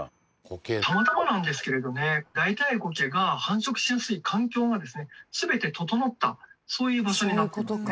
たまたまなんですけれどねダイダイゴケが繁殖しやすい環境がですね全て整ったそういう場所になってますね。